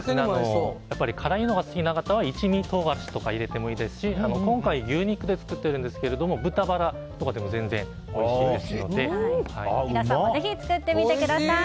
辛いのが好きな方は一味唐辛子を入れてもいいですし今回、牛肉で作っているんですが皆さんもぜひ作ってみてください。